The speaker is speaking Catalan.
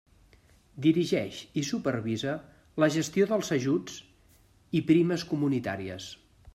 Dirigeix i supervisa la gestió dels ajuts i primes comunitàries.